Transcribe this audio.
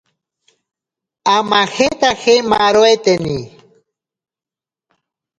Amajetaje maaroiteni.